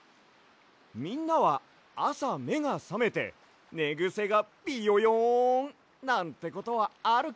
みんなはあさめがさめてねぐせがビヨヨン！なんてことはあるかい？